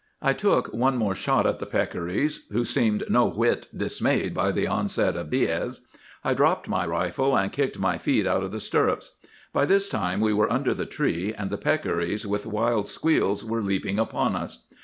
"I took one more shot at the peccaries, who seemed no whit dismayed by the onset of Diaz. I dropped my rifle, and kicked my feet out of the stirrups. By this time we were under the tree, and the peccaries with wild squeals were leaping upon us.